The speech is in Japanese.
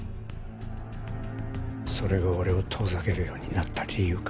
それが俺を遠ざけるようになった理由か。